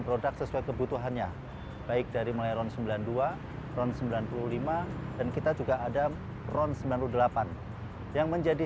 produk sesuai kebutuhannya baik dari mulai ron sembilan puluh dua ron sembilan puluh lima dan kita juga ada ron sembilan puluh delapan yang menjadi